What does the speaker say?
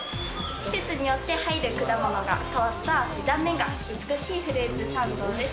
季節によって入る果物が変わる、断面が美しいフルーツサンドです。